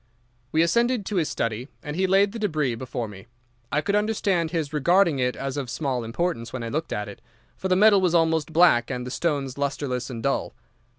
"We ascended to his study, and he laid the débris before me. I could understand his regarding it as of small importance when I looked at it, for the metal was almost black and the stones lustreless and dull.